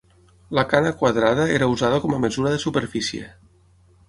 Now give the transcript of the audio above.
La cana quadrada era usada com a mesura de superfície.